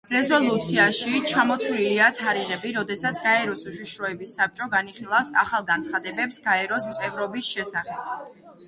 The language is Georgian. რეზოლუციაში ჩამოთვლილია თარიღები, როდესაც გაეროს უშიშროების საბჭო განიხილავს ახალ განცხადებებს გაეროს წევრობის შესახებ.